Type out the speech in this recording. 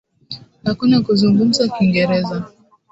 Hakuna kuzungumza kiingereza